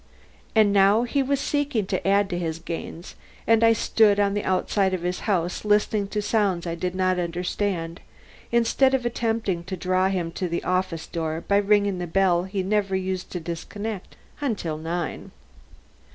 And now he was seeking to add to his gains, and I stood on the outside of his house listening to sounds I did not understand, instead of attempting to draw him to the office door by ringing the bell he never used to disconnect till nine.